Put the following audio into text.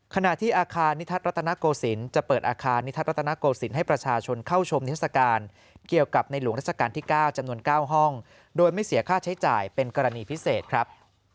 ขณะที่อาคารนิทัศน์รัตนโกศิลป์จะเปิดอาคารนิทัศรัตนโกศิลปให้ประชาชนเข้าชมนิทรศการเกี่ยวกับในหลวงราชการที่๙จำนวน๙ห้องโดยไม่เสียค่าใช้จ่ายเป็นกรณีพิเศษครับ